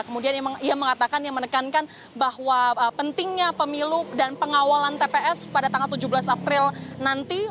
kemudian ia mengatakan yang menekankan bahwa pentingnya pemilu dan pengawalan tps pada tanggal tujuh belas april nanti